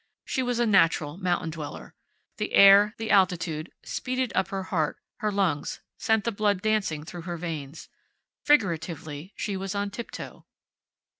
She was a natural mountain dweller. The air, the altitude, speeded up her heart, her lungs, sent the blood dancing through her veins. Figuratively, she was on tip toe.